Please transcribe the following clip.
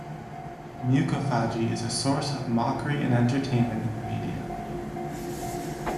Mucophagy is a source of mockery and entertainment in the media.